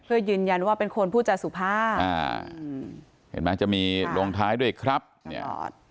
เพื่อยืนยันว่าเป็นคนผู้จากสุภาพเห็นมั้ยจะมีโรงท้ายด้วยครับทั้งหมด